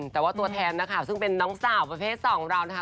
แต่ว่าตัวแทนนะคะซึ่งเป็นน้องสาวประเภทสองของเรานะคะ